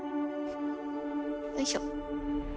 よいしょ。